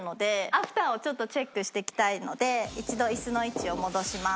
アフターをちょっとチェックしていきたいので一度椅子の位置を戻します。